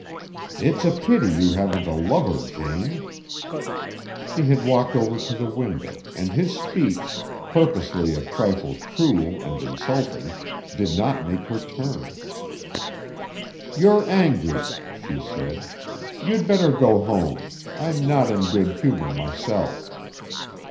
"It's a pity you haven't a lover, Jane," he said. She had walked over to the window, and his speech, purposely a trifle cruel and insulting, did not make her turn. "You're angry," she said. "You'd better go home. I'm not in good humor myself."